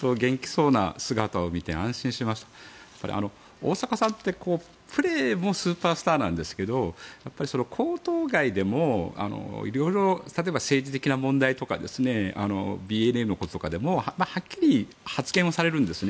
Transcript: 大坂さんって、プレーもスーパースターなんですがやっぱりコート外でも色々と例えば政治的な問題とかＢＬＭとかでもはっきり発言をされるんですね。